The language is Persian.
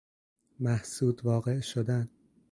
محسود واقع شدن